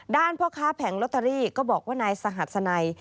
ด้านพ่อค้าแผงรอตเตอรี่ก็บอกว่านายสะหัดสะไหน